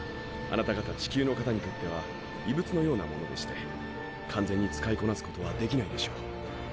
あなた方地球の方にとっては異物のようなものでして完全に使いこなすことは出来ないでしょう。